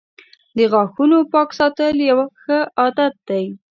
• د غاښونو پاک ساتل یوه ښه عادت دی.